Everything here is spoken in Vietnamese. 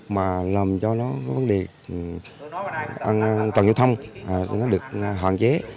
mà làm cho nó có vấn đề toàn diện thông nó được hạn chế